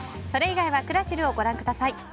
それ以外はクラシルをご覧ください。